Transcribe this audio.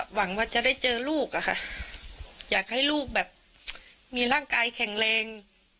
หวังว่าจะได้เจอลูกอะค่ะอยากให้ลูกแบบมีร่างกายแข็งแรง